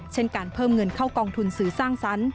เช่นการเพิ่มเงินเข้ากองทุนสื่อสร้างสรรค์